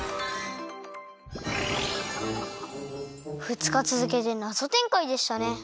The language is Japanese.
ふつかつづけてナゾてんかいでしたね。